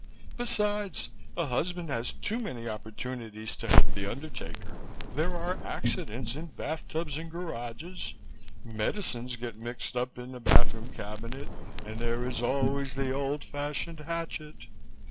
Besides, a husband has too many opportunities to help the undertaker. There are accidents in bath tubs and garages, medicines get mixed up in the bathroom cabinet and there is always the old fashioned hatchet.